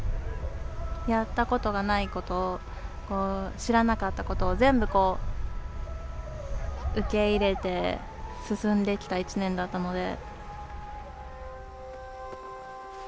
やったことがないこと、知らなかったことを全部、受け入れて、進んできた１年だったので。